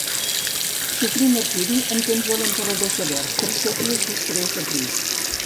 Sofrí martiri en temps de l'emperador Sever, tres segles després de Crist.